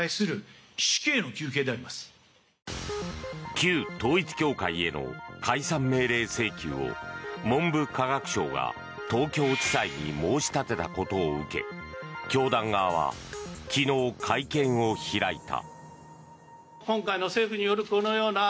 旧統一教会への解散命令請求を文部科学省が東京地裁に申し立てたことを受け教団側は昨日、会見を開いた。